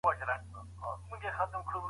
دا ملاتړ دوی ته نور هم ځواک ورکړ.